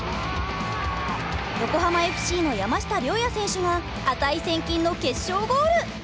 横浜ＦＣの山下諒也選手が値千金の決勝ゴール！